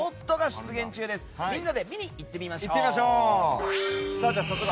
みんなで見に行ってみましょう。